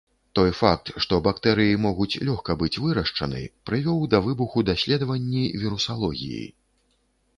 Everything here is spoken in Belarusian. Той факт, што бактэрыі могуць лёгка быць вырашчаны, прывёў да выбуху даследаванні вірусалогіі.